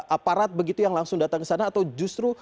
aparat begitu yang langsung datang ke sana atau justru